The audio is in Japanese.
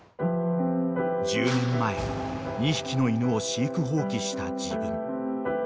［１０年前２匹の犬を飼育放棄した自分］